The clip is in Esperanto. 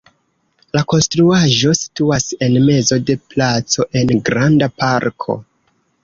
La konstruaĵo situas en mezo de placo en granda parko.